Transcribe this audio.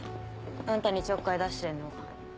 あんたにちょっかい出してんのは。